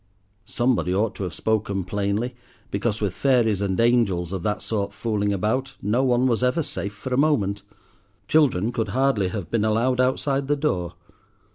Somebody ought to have spoken plainly, because with fairies and angels of that sort fooling about, no one was ever safe for a moment. Children could hardly have been allowed outside the door.